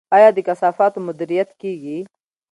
آیا د کثافاتو مدیریت کیږي؟